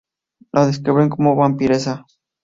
La describen como vampiresa.